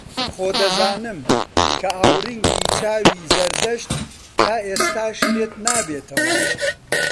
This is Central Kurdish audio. خۆ دەزانم کە ئاورینگی چاوی زەردەشت تا ئێستاش لێت نابێتەوە